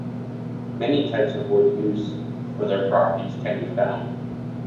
Many types of wood used for their properties can be found.